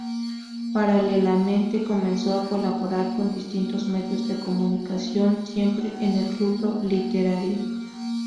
Paralelamente comenzó a colaborar con distintos medios de comunicación, siempre en el rubro literario.